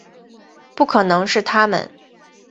不可能是他们